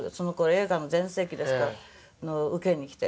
映画の全盛期ですから受けに来て。